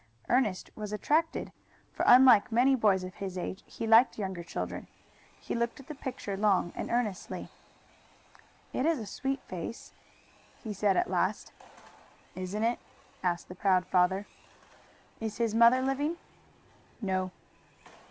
Ernest was attracted, for unlike many boys of his age he liked younger children. He looked at the picture long and earnestly. "It is a sweet face," he said at last. "Isn't it?" asked the proud father. "Is his mother living?" "No."